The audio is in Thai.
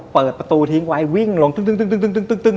เปิดประตูทิ้งไว้วิ่งลงตึ้ง